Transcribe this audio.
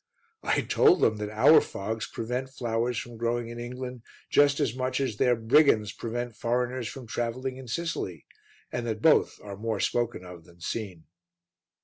I told them that our fogs prevent flowers from growing in England just as much as their brigands prevent foreigners from travelling in Sicily, and that both are more spoken of than seen.